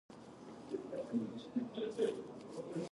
どうしましたか？